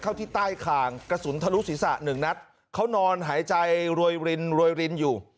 เข้าที่ใต้ข่างกระสุนทะลุศีรษะหนึ่งนัดเขานอนหายใจรวยรินรวยรินอยู่